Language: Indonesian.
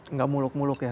nggak muluk muluk ya